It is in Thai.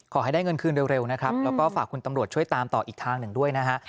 ขอให้ได้เงินคืนเร็วนะครับแล้วก็ฝากคุณตำรวจช่วยตามต่ออีกทางหนึ่งด้วยนะฮะ